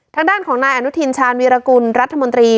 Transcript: ทางด้านของนายอนุทินชาญวีรกุลรัฐมนตรี